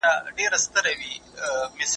دا ماده د سترګو روغتیا ساتي.